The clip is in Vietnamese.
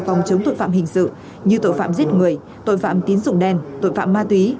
phòng chống tội phạm hình sự như tội phạm giết người tội phạm tín dụng đen tội phạm ma túy